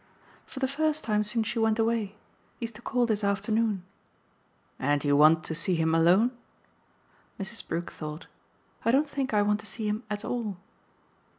"For the first time since you went away. He's to call this afternoon." "And you want to see him alone?" Mrs. Brook thought. "I don't think I want to see him at all."